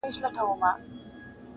بيزو وان د خپل تقدير د دام اسير وو.!